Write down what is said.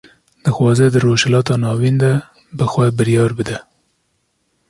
Dixwaze di Rojhilata Navîn de, bi xwe biryar bide